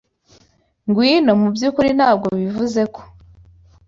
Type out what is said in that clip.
Ngwino, mubyukuri ntabwo bivuze ko!